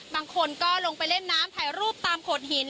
บางคนก็ลงไปเล่นน้ำถ่ายรูปตามโขดหิน